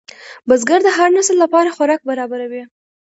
بزګر د هر نسل لپاره خوراک برابروي